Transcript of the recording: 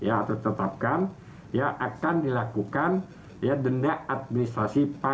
atau tetapkan akan dilakukan denda administrasi perusahaan